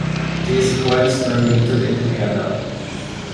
These coins were minted in Vienna.